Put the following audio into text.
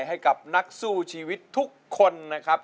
ให้กับนักสู้ชีวิตทุกคนนะครับ